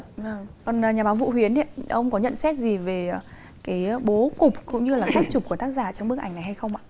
vâng nhà báo vũ huyến thì ông có nhận xét gì về cái bố cục cũng như là kích chụp của tác giả trong bức ảnh này hay không ạ